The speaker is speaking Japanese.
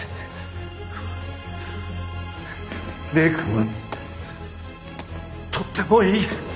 礼くんはとってもいい。